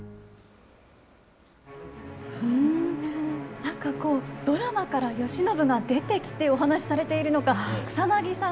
なんかこう、ドラマから慶喜が出てきて、お話しされているのか、草なぎさん